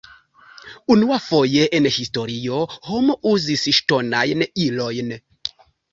Unuafoje en historio homo uzis ŝtonajn ilojn.